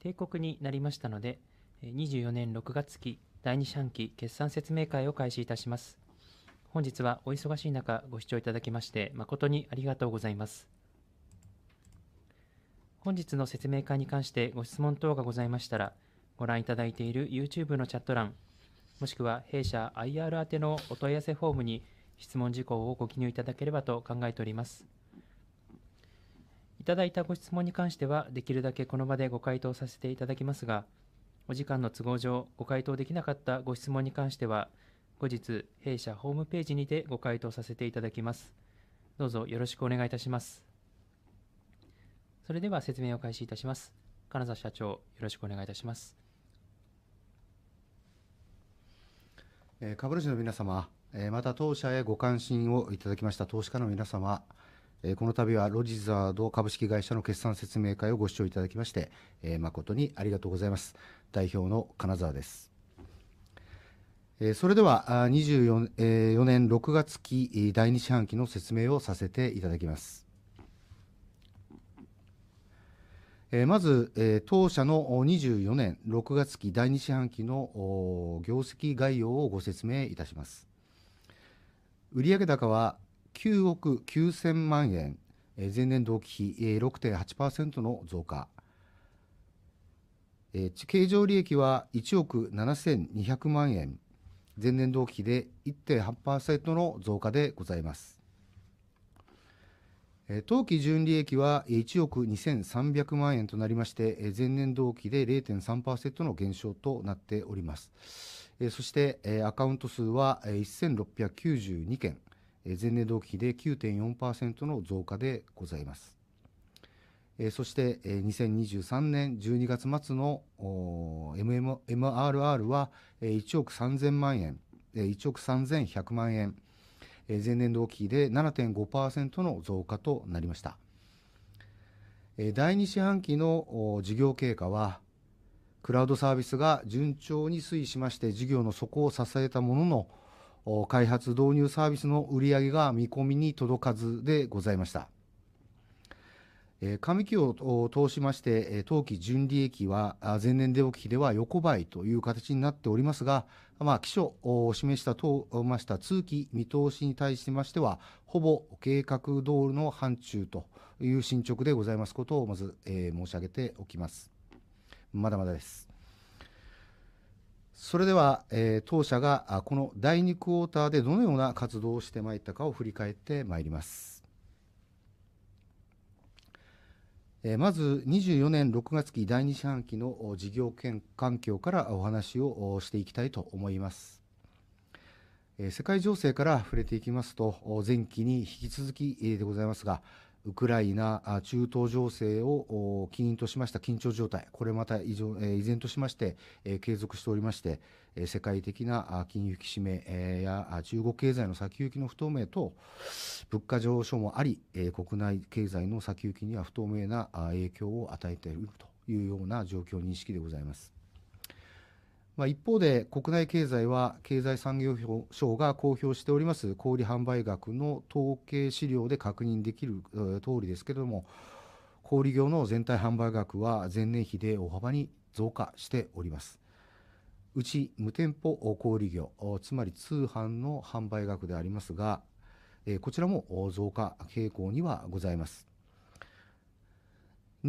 定刻になりましたので、24年6月期第2四半期決算説明会を開始いたします。本日はお忙しい中ご視聴いただきまして、誠にありがとうございます。本日の説明会に関してご質問等がございましたら、ご覧いただいている YouTube のチャット欄、もしくは弊社 IR 宛てのお問い合わせフォームに質問事項をご記入いただければと考えております。いただいたご質問に関してはできるだけこの場でご回答させていただきますが、お時間の都合上ご回答できなかったご質問に関しては後日弊社ホームページにてご回答させていただきます。どうぞよろしくお願いいたします。それでは説明を開始いたします。金沢社長、よろしくお願いいたします。株主の皆様、また当社へご関心をいただきました投資家の皆様、この度はロジザード株式会社の決算説明会をご視聴いただきまして、誠にありがとうございます。代表の金沢です。それでは、2024年6月期第2四半期の説明をさせていただきます。まず、当社の24年6月期第2四半期の業績概要をご説明いたします。売上高は ¥990,000,000、前年同期比 6.8% の増加。経常利益は ¥172,000,000、前年同期比で 1.8% の増加でございます。当期純利益は ¥123,000,000 となりまして、前年同期比で 0.3% の減少となっております。そしてアカウント数は 1,692 件、前年同期比で 9.4% の増加でございます。そして2023年12月末の MRR は ¥131,000,000、前年同期比で 7.5% の増加となりました。第2四半期の事業経過は、クラウドサービスが順調に推移しまして事業の底を支えたものの、開発導入サービスの売上が見込みに届かずでございました。上期を通しまして当期純利益は前年同期比では横ばいという形になっておりますが、期初お示ししました通期見通しに対しましてはほぼ計画どおりの範疇という進捗でございますことをまず申し上げておきます。それでは当社がこの第2四半期でどのような活動をしてまいったかを振り返ってまいります。まず24年6月期第2四半期の事業環境からお話をしていきたいと思います。世界情勢から触れていきますと、前期に引き続きでございますが、ウクライナ中東情勢を起因としました緊張状態、これまた依然としまして継続しておりまして、世界的な金融引き締めや中国経済の先行きの不透明と物価上昇もあり、国内経済の先行きには不透明な影響を与えているというような状況認識でございます。一方で国内経済は、経済産業省が公表しております小売販売額の統計資料で確認できるとおりですけれども、小売業の全体販売額は前年比で大幅に増加しております。うち無店舗小売業、つまり通販の販売額でありますが、こちらも増加傾向には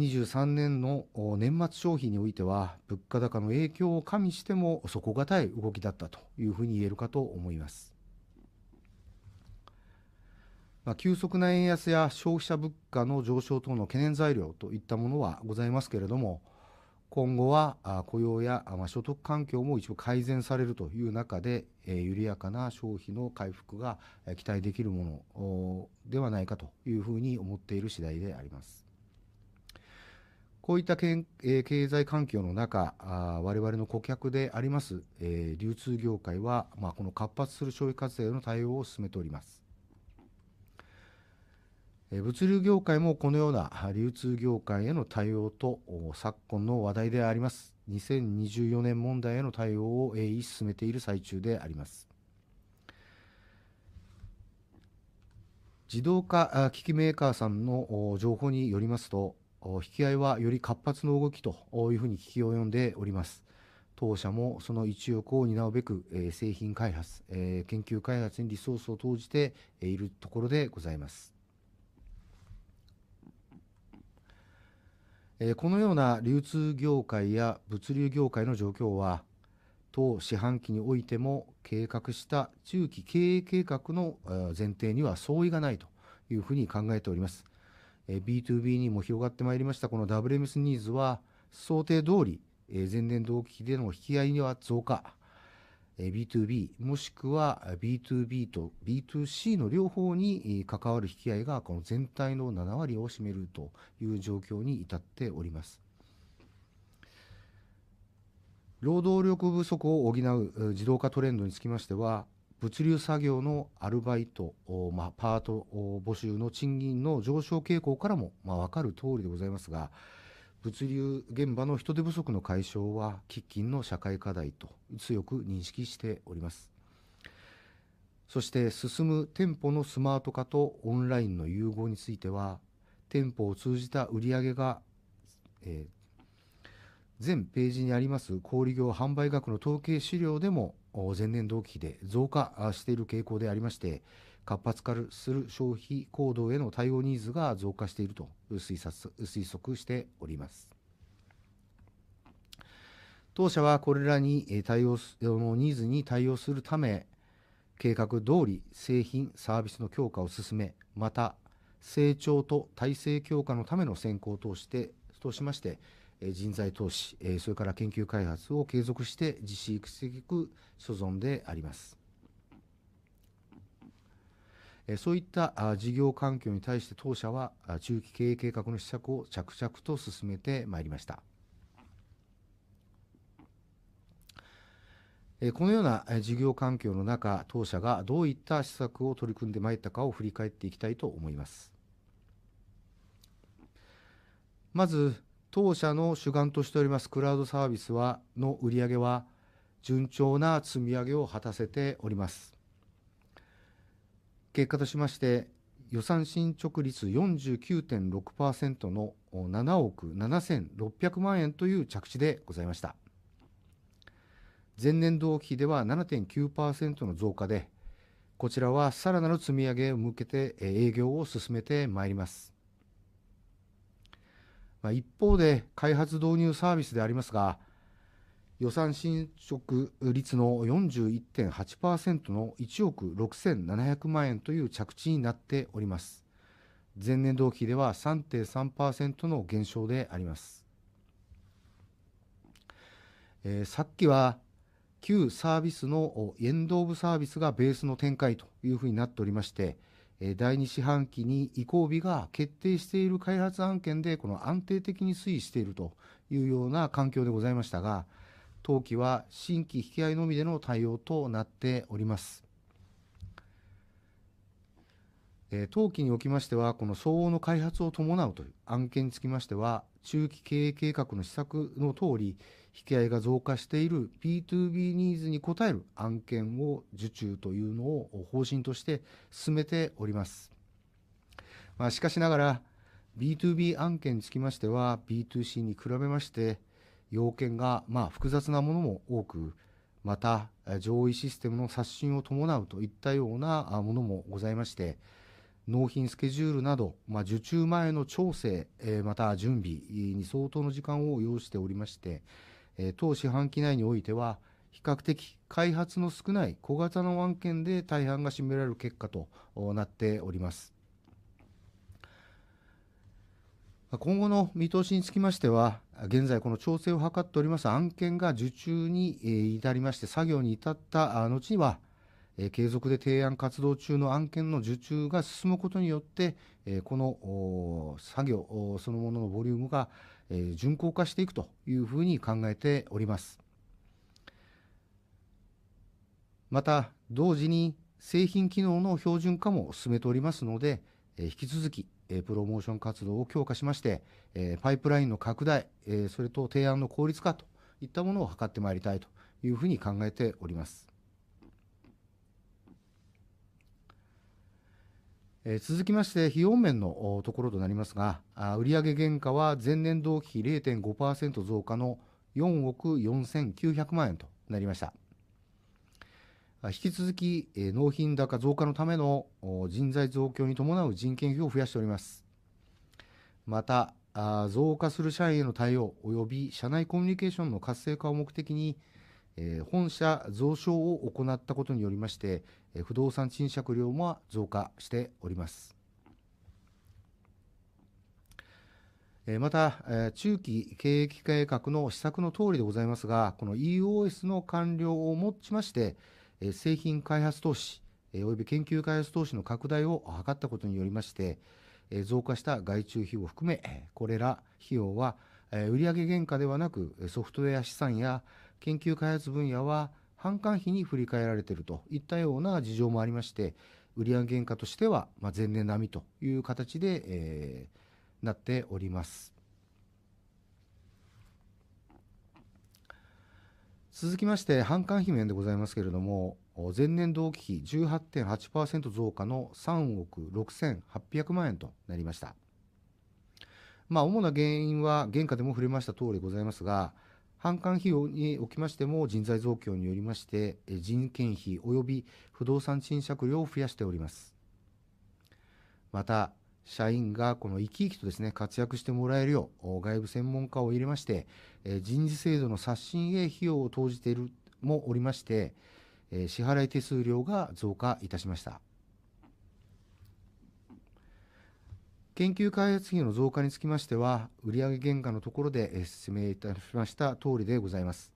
ございます。23年の年末商戦においては物価高の影響を加味しても底堅い動きだったというふうに言えるかと思います。急速な円安や消費者物価の上昇等の懸念材料といったものはございますけれども、今後は雇用や所得環境も一部改善されるという中で、緩やかな消費の回復が期待できるものではないかというふうに思っている次第であります。こういった経済環境の中、我々の顧客であります流通業界は、この活発化する消費活動への対応を進めております。物流業界もこのような流通業界への対応と昨今の話題であります2024年問題への対応を推し進めている最中であります。自動化機器メーカーさんの情報によりますと、引き合いはより活発な動きというふうに聞き及んでおります。当社もその一翼を担うべく製品開発、研究開発にリソースを投じているところでございます。このような流通業界や物流業界の状況は、当四半期においても計画した中期経営計画の前提には相違がないというふうに考えております。BtoB にも広がってまいりましたこの WMS ニーズは、想定どおり前年同期比での引き合いには増加。BtoB もしくは BtoB と BtoC の両方に関わる引き合いがこの全体の7割を占めるという状況に至っております。労働力不足を補う自動化トレンドにつきましては、物流作業のアルバイト、パート募集の賃金の上昇傾向からも分かるとおりでございますが、物流現場の人手不足の解消は喫緊の社会課題と強く認識しております。そして進む店舗のスマート化とオンラインの融合については、店舗を通じた売上が全ページにあります小売業販売額の統計資料でも前年同期比で増加している傾向でありまして、活発化する消費行動への対応ニーズが増加していると推測しております。当社はこれらに対応するニーズに対応するため、計画どおり製品サービスの強化を進め、また成長と体制強化のための先行を通しまして人材投資、それから研究開発を継続して実施していく所存であります。そういった事業環境に対して当社は中期経営計画の施策を着々と進めてまいりました。このような事業環境の中、当社がどういった施策を取り組んでまいったかを振り返っていきたいと思います。まず当社の主眼としておりますクラウドサービスの売上は順調な積み上げを果たせております。結果としまして、予算進捗率 49.6% の ¥776,000,000 という着地でございました。前年同期比では 7.9% の増加で、こちらはさらなる積み上げを向けて営業を進めてまいります。一方で開発導入サービスでありますが、予算進捗率の 41.8% の ¥167,000,000 という着地になっております。前年同期比では 3.3% の減少であります。昨期は旧サービスの移行部サービスがベースの展開というふうになっておりまして、第2四半期に移行日が決定している開発案件でこの安定的に推移しているというような環境でございましたが、当期は新規引き合いのみでの対応となっております。当期におきましては、この相応の開発を伴うという案件につきましては、中期経営計画の施策のとおり引き合いが増加している BtoB ニーズに応える案件を受注というのを方針として進めております。しかしながら BtoB 案件につきましては BtoC に比べまして要件が複雑なものも多く、また上位システムの刷新を伴うといったようなものもございまして、納品スケジュールなど受注前の調整、また準備に相当の時間を要しておりまして、当四半期内においては比較的開発の少ない小型の案件で大半が占められる結果となっております。今後の見通しにつきましては、現在この調整を図っております案件が受注に至りまして作業に至った後には、継続で提案活動中の案件の受注が進むことによって、この作業そのもののボリュームが順調化していくというふうに考えております。また同時に製品機能の標準化も進めておりますので、引き続きプロモーション活動を強化しまして、パイプラインの拡大、それと提案の効率化といったものを図ってまいりたいというふうに考えております。続きまして費用面のところとなりますが、売上原価は前年同期比 0.5% 増加の ¥449,000,000 となりました。引き続き納品高増加のための人材増強に伴う人件費を増やしております。また増加する社員への対応及び社内コミュニケーションの活性化を目的に、本社増床を行ったことによりまして不動産賃借料も増加しております。また中期経営計画の施策のとおりでございますが、この EOS の完了をもちまして製品開発投資及び研究開発投資の拡大を図ったことによりまして、増加した外注費を含めこれら費用は売上原価ではなくソフトウェア資産や研究開発分野は販管費に振り替えられているといったような事情もありまして、売上原価としては前年並みという形になっております。続きまして販管費面でございますけれども、前年同期比 18.8% 増加の ¥368,000,000 となりました。主な原因は原価でも触れましたとおりございますが、販管費用におきましても人材増強によりまして人件費及び不動産賃借料を増やしております。また社員がこの生き生きと活躍してもらえるよう外部専門家を入れまして、人事制度の刷新へ費用を投じているもおりまして支払い手数料が増加いたしました。研究開発費用の増加につきましては、売上原価のところで説明いたしましたとおりでございます。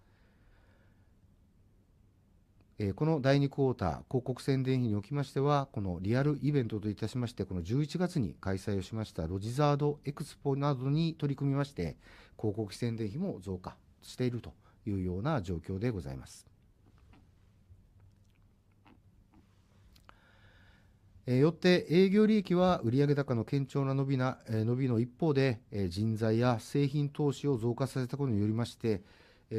この第2四半期広告宣伝費におきましては、このリアルイベントといたしましてこの11月に開催をしましたロジザードエクスポなどに取り組みまして、広告宣伝費も増加しているというような状況でございます。よって営業利益は売上高の堅調な伸びの一方で人材や製品投資を増加させたことによりまして、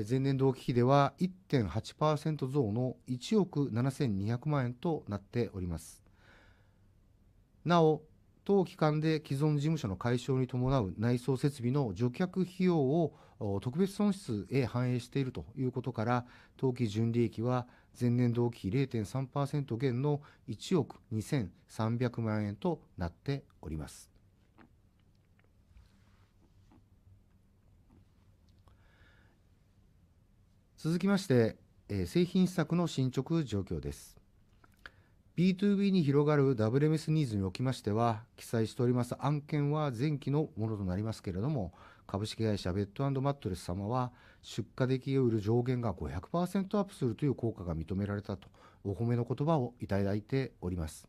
前年同期比では 1.8% 増の ¥172,000,000 となっております。なお当期間で既存事務所の解消に伴う内装設備の除却費用を特別損失へ反映しているということから、当期純利益は前年同期比 0.3% 減の ¥123,000,000 となっております。続きまして製品施策の進捗状況です。BtoB に広がる WMS ニーズにおきましては、記載しております案件は前期のものとなりますけれども、株式会社ベッド&マットレス様は出荷効率を売る上限が 500% アップするという効果が認められたとお褒めの言葉をいただいております。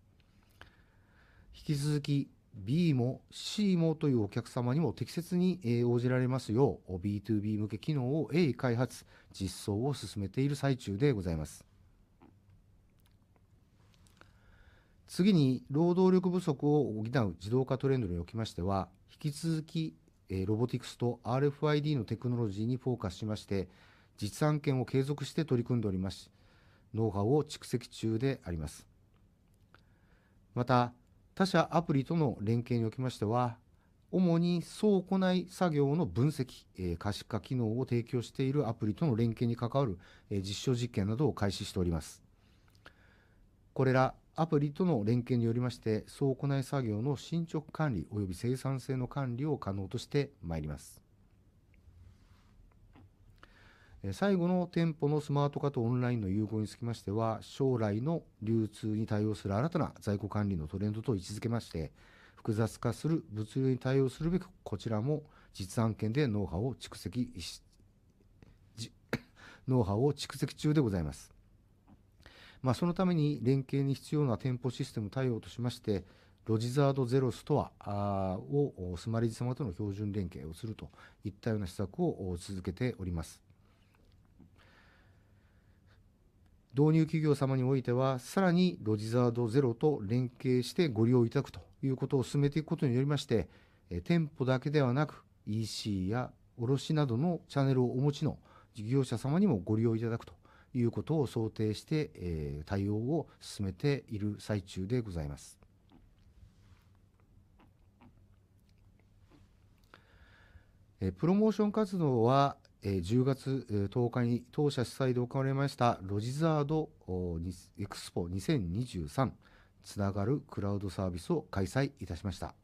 引き続き B も C もというお客様にも適切に応じられますよう、BtoB 向け機能を鋭意開発・実装を進めている最中でございます。次に労働力不足を補う自動化トレンドにおきましては、引き続きロボティクスと RFID のテクノロジーにフォーカスしまして、実案件を継続して取り組んでおります。ノウハウを蓄積中であります。また他社アプリとの連携におきましては、主に倉庫内作業の分析・可視化機能を提供しているアプリとの連携に関わる実証実験などを開始しております。これらアプリとの連携によりまして、倉庫内作業の進捗管理及び生産性の管理を可能としてまいります。最後の店舗のスマート化とオンラインの融合につきましては、将来の流通に対応する新たな在庫管理のトレンドと位置づけまして、複雑化する物流に対応するべくこちらも実案件でノウハウを蓄積中でございます。そのために連携に必要な店舗システム対応としまして、ロジザードゼロストアをスマレジ様との標準連携をするといったような施策を続けております。導入企業様においては、さらにロジザードゼロと連携してご利用いただくということを進めていくことによりまして、店舗だけではなく EC や卸などのチャネルをお持ちの事業者様にもご利用いただくということを想定して対応を進めている最中でございます。プロモーション活動は10月10日に当社主催で行われましたロジザードエクスポ2023つながるクラウドサービスを開催いたしました。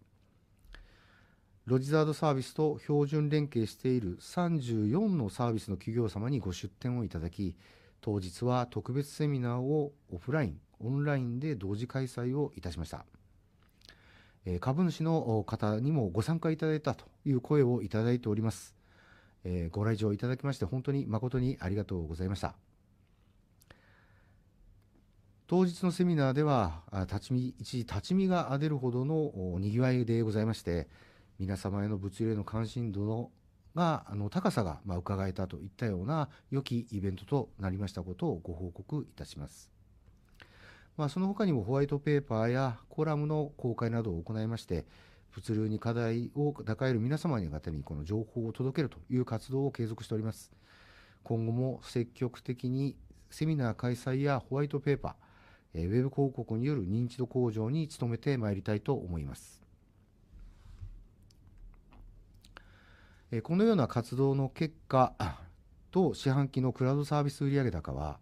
ロジザードサービスと標準連携している34のサービスの企業様にご出店をいただき、当日は特別セミナーをオフライン・オンラインで同時開催をいたしました。株主の方にもご参加いただいたという声をいただいております。ご来場いただきまして本当に誠にありがとうございました。当日のセミナーでは立ち見が出るほどの賑わいでございまして、皆様への物流への関心度の高さが伺えたといったような良きイベントとなりましたことをご報告いたします。そのほかにもホワイトペーパーやコラムの公開などを行いまして、物流に課題を抱える皆様にこの情報を届けるという活動を継続しております。今後も積極的にセミナー開催やホワイトペーパー、ウェブ広告による認知度向上に努めてまいりたいと思います。このような活動の結果、当四半期のクラウドサービス売上高は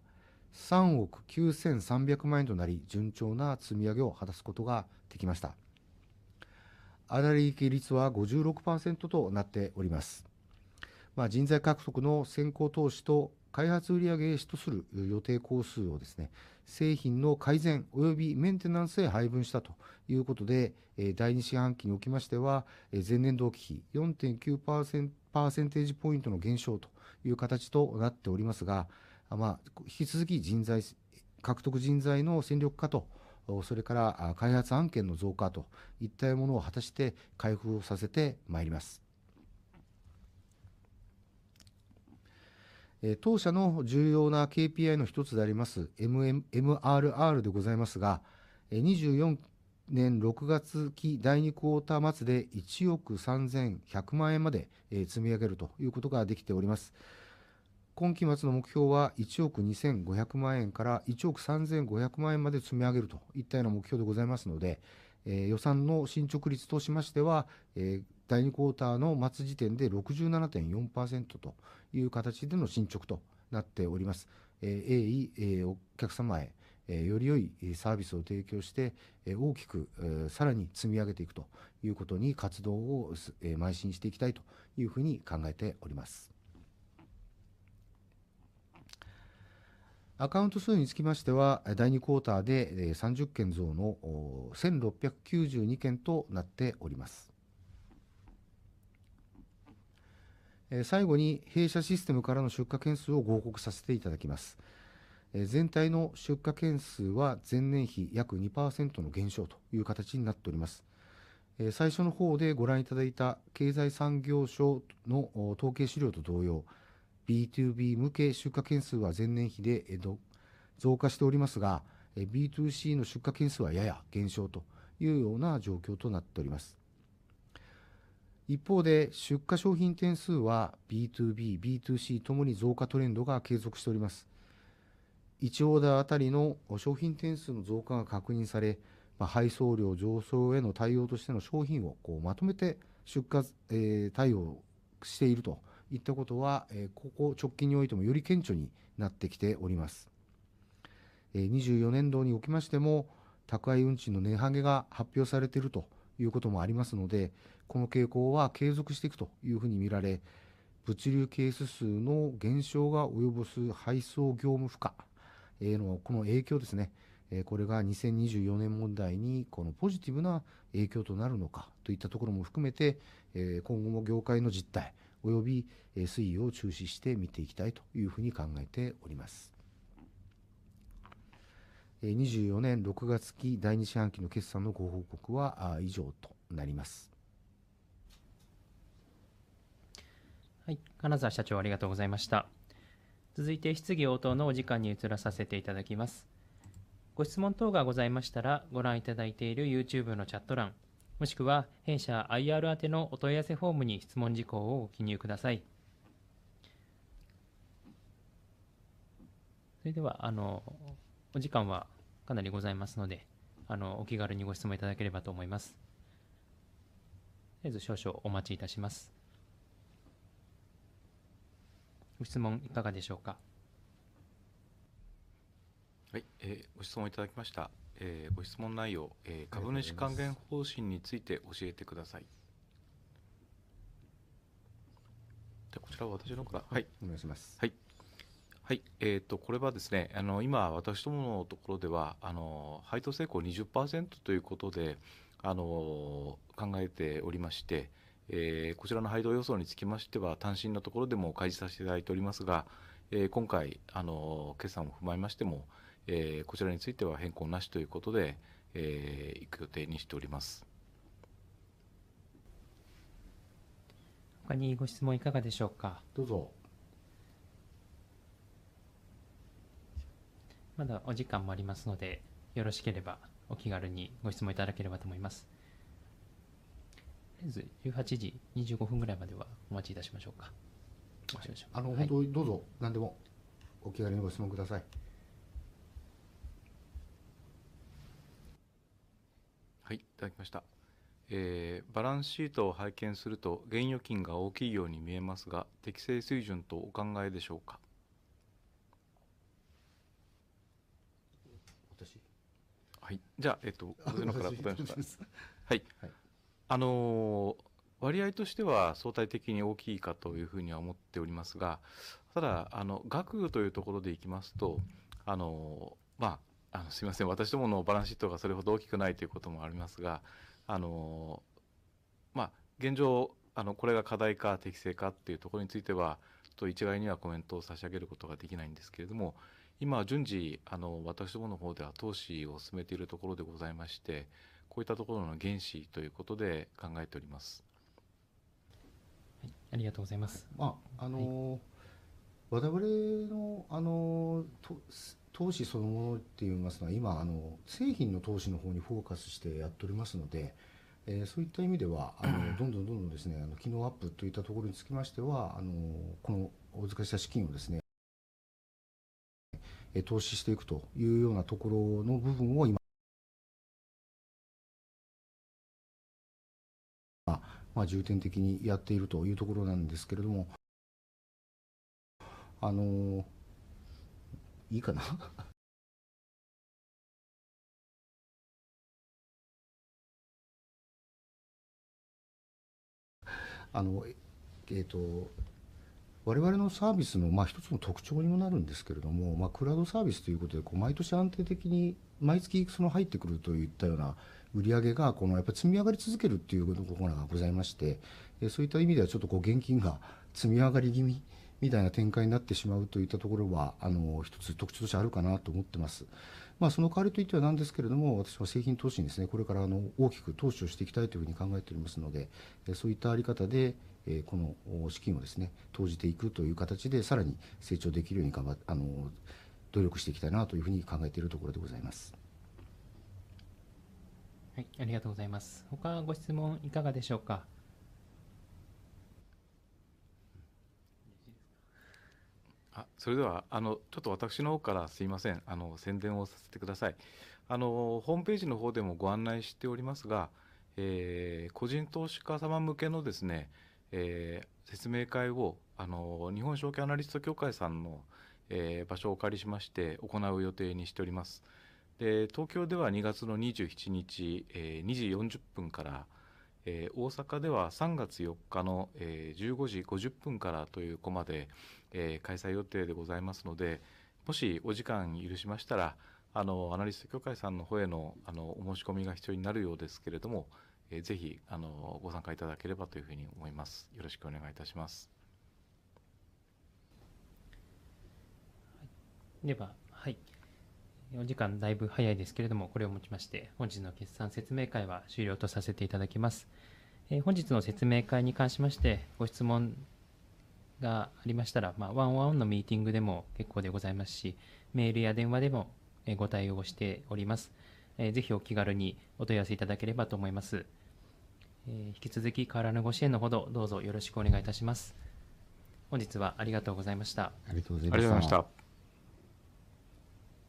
¥393,000,000 となり順調な積み上げを果たすことができました。粗利益率は 56% となっております。人材獲得の先行投資と開発売上へ支出する予定工数を、製品の改善及びメンテナンスへ配分したということで、第2四半期におきましては前年同期比 4.9 ポイントの減少という形となっておりますが、引き続き人材獲得人材の戦力化と、それから開発案件の増加といったようなものを果たして回復をさせてまいります。当社の重要な KPI の1つであります MRR でございますが、24年6月期第2四半期末で ¥131,000,000 まで積み上げるということができております。今期末の目標は ¥125,000,000 から ¥135,000,000 まで積み上げるといったような目標でございますので、予算の進捗率としましては第2四半期の末時点で 67.4% という形での進捗となっております。鋭意お客様へより良いサービスを提供して、大きくさらに積み上げていくということに活動を邁進していきたいというふうに考えております。アカウント数につきましては、第2四半期で30件増の 1,692 件となっております。最後に弊社システムからの出荷件数をご報告させていただきます。全体の出荷件数は前年比約 2% の減少という形になっております。最初のほうでご覧いただいた経済産業省の統計資料と同様、BtoB 向け出荷件数は前年比で増加しておりますが、BtoC の出荷件数はやや減少というような状況となっております。一方で出荷商品点数は BtoB、BtoC ともに増加トレンドが継続しております。1オーダーあたりの商品点数の増加が確認され、配送料上昇への対応としての商品をまとめて出荷対応しているといったことは、ここ直近においてもより顕著になってきております。24年度におきましても宅配運賃の値上げが発表されているということもありますので、この傾向は継続していくというふうに見られ、物流ケース数の減少が及ぼす配送業務負荷へのこの影響、これが2024年問題にこのポジティブな影響となるのかといったところも含めて、今後も業界の実態及び推移を注視して見ていきたいというふうに考えております。24年6月期第2四半期の決算のご報告は以上となります。金澤社長ありがとうございました。続いて質疑応答のお時間に移らさせていただきます。ご質問等がございましたら、ご覧いただいている YouTube のチャット欄、もしくは弊社 IR 宛てのお問い合わせフォームに質問事項をご記入ください。それではお時間はかなりございますので、お気軽にご質問いただければと思います。とりあえず少々お待ちいたします。ご質問いかがでしょうか。ご質問いただきました。ご質問内容、株主還元方針について教えてください。こちらは私のほうから。お願いします。はい。これはですね、今私どものところでは配当性向 20% ということで考えておりまして、こちらの配当予想につきましては単身のところでも開示させていただいておりますが、今回決算を踏まえましてもこちらについては変更なしということでいく予定にしております。ほかにご質問いかがでしょうか。どうぞ。まだお時間もありますので、よろしければお気軽にご質問いただければと思います。とりあえず18時25分ぐらいまではお待ちいたしましょうか。お願いします。本当にどうぞ、なんでもお気軽にご質問ください。はい、いただきました。バランスシートを拝見すると現預金が大きいように見えますが、適正水準とお考えでしょうか。私。はい、じゃあ私のほうから答えますか。はい。割合としては相対的に大きいかというふうには思っておりますが、ただ額というところでいきますと、すいません、私どものバランスシートがそれほど大きくないということもありますが、現状これが課題か適正かっていうところについては一概にはコメントを差し上げることができないんですけれども、今順次私どものほうでは投資を進めているところでございまして、こういったところの減資ということで考えております。はい、ありがとうございます。我々の投資そのものと言いますのは、今製品の投資のほうにフォーカスしてやっておりますので、そういった意味ではどんどん機能アップといったところにつきましては、このお預かりした資金を投資していくというようなところの部分を今重点的にやっているというところなんですけれども。我々のサービスの1つの特徴にもなるんですけれども、クラウドサービスということで毎年安定的に毎月入ってくるといったような売上がやっぱり積み上がり続けるっていうところがございまして、そういった意味ではちょっと現金が積み上がり気味みたいな展開になってしまうといったところは1つ特徴としてあるかなと思ってます。その代わりといってはなんですけれども、私は製品投資に、これから大きく投資をしていきたいというふうに考えておりますので、そういったあり方でこの資金を投じていくという形でさらに成長できるように努力していきたいなというふうに考えているところでございます。はい、ありがとうございます。他にご質問はいかがでしょうか。よろしいですか。それでは私のほうからすみません、宣伝をさせてください。ホームページのほうでもご案内しておりますが、個人投資家様向けの説明会を日本証券アナリスト協会さんの場所をお借りしまして行う予定にしております。東京では2月27日14時40分から、大阪では3月4日の15時50分から開催予定でございますので、もしお時間許しましたらアナリスト協会さんのほうへのお申し込みが必要になるようですけれども、ぜひご参加いただければというふうに思います。よろしくお願いいたします。では、お時間だいぶ早いですけれども、これをもちまして本日の決算説明会は終了とさせていただきます。本日の説明会に関しましてご質問がありましたら、ワンオンワンのミーティングでも結構でございますし、メールや電話でもご対応をしております。ぜひお気軽にお問い合わせいただければと思います。引き続き変わらぬご支援のほどどうぞよろしくお願いいたします。本日はありがとうございました。ありがとうございました。ありがとうございました。